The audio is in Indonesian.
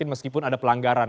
meskipun ada pelanggaran